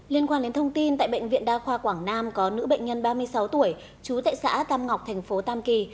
liên quan đến thông tin tại bệnh viện đa khoa quảng nam có nữ bệnh nhân ba mươi sáu tuổi trú tại xã tam ngọc thành phố tam kỳ